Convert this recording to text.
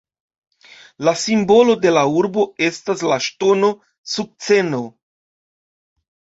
La simbolo de la urbo estas la ŝtono sukceno.